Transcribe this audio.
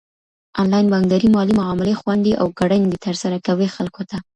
انلاين بانکداري مالي معاملي خوندي او ګړندي ترسره کوي خلکو ته.